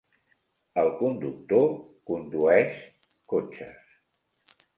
El conductor condueix cotxes.